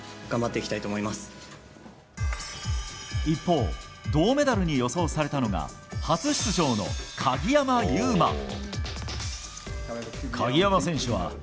一方銅メダルに予想されたのが初出場の鍵山優真。